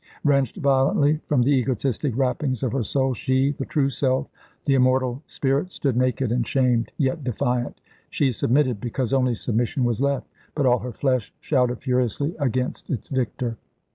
Wrenched violently from the egotistic wrappings of her soul, she the true self, the immortal spirit stood naked and shamed, yet defiant. She submitted, because only submission was left. But all her flesh shouted furiously against its victor.